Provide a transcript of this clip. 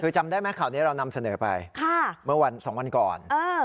คือจำได้ไหมข่าวนี้เรานำเสนอไปเมื่อวันสองวันก่อน